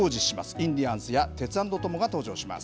インディアンスとテツａｎｄトモが登場します。